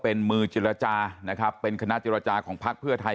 เป็นมือจีฬรัชานะครับเป็นคณะจีฬรัชาของพลักษณ์เพื่อไทย